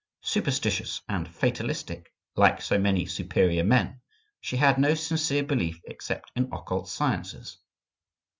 Superstitious and fatalistic, like so many superior men, she had no sincere belief except in occult sciences.